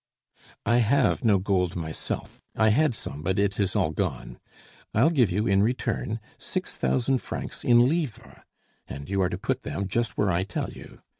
"I have no gold myself. I had some, but it is all gone. I'll give you in return six thousand francs in livres, and you are to put them just where I tell you.